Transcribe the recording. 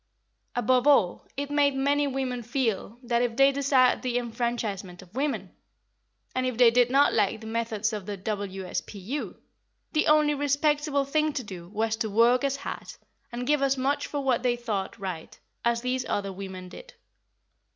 Above all, it made many women feel that, if they desired the enfranchisement of women, and if they did not like the methods of the W.S.P.U., the only respectable thing to do was to work as hard, and give as much for what they thought right, as these other women did.